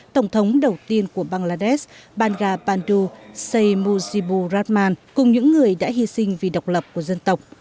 tổng thống đầu tiên của bangladesh banga bandhu seymour zibur rahman cùng những người đã hy sinh vì độc lập của dân tộc